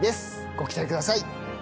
ご期待ください。